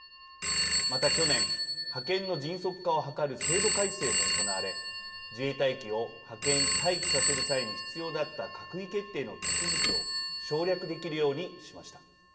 また去年、派遣の迅速化を図る制度改正も行われ自衛隊機を派遣・待機させる際に必要だった閣議決定の手続きを省略できるようにしました。